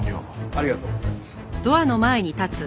ありがとうございます。